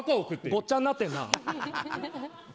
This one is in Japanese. ごっちゃになってる。